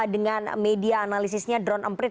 dengan media analisisnya drone emprit